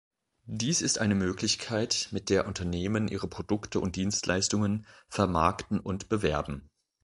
Dies ist eine Möglichkeit, mit der Unternehmen ihre Produkte und Dienstleistungen vermarkten und bewerben.